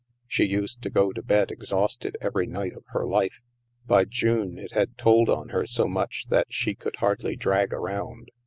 She used to go to bed exhausted every night of her life. By June, it had told on her so that she could hardly drag around.